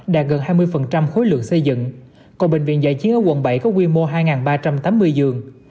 đạt gần hai mươi khối lượng xây dựng còn bệnh viện giải chiến ở quận bảy có quy mô hai ba trăm tám mươi giường